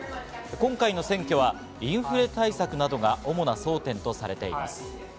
今回の選挙はインフレ対策などが主な争点とされています。